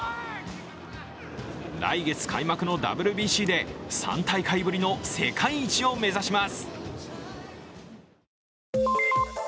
来月開幕のＷＢＣで３大会ぶりの世界一を目指します。